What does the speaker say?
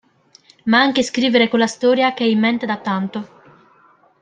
Ma anche scrivere quella storia che hai in mente da tanto.